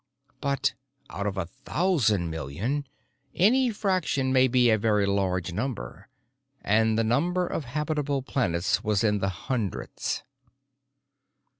But out of a thousand million, any fraction may be a very large number, and the number of habitable planets was in the hundreds.